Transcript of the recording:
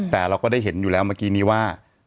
แต่เราก็ได้เห็นอยู่แล้วเมื่อกี้นี้ว่า